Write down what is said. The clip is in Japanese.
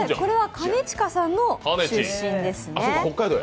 兼近さんの出身です。